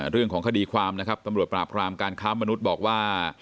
เรื่องของคดีความนะครับตำรวจปราบรามการค้ามนุษย์บอกว่า